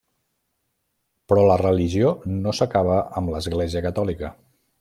Però la religió no s’acabava amb l’Església catòlica.